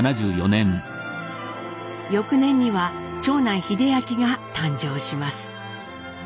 翌年には長男英明が誕生します。